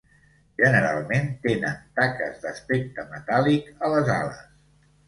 Generalment tenen taques d'aspecte metàl·lic a les ales.